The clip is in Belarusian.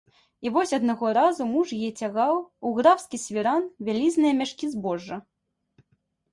І вось аднаго разу муж яе цягаў у графскі свіран вялізныя мяшкі збожжа.